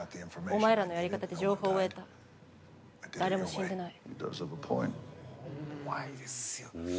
おまえらのやり方で情報を得た、誰も死んでない。